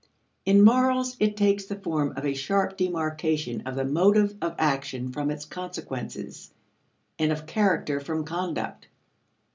In morals it takes the form of a sharp demarcation of the motive of action from its consequences, and of character from conduct.